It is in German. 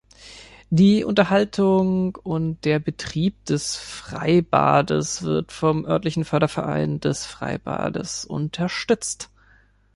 Die Unterhaltung und der Betrieb des Freibades wird vom örtlichen Förderverein des Freibades unterstützt.